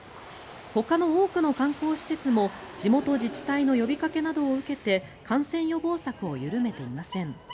ほかの多くの観光施設も地元自治体の呼びかけなどを受けて感染予防策を緩めていません。